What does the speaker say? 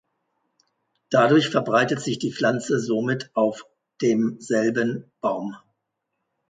Dadurch verbreitet sich die Pflanze somit auf demselben Baum.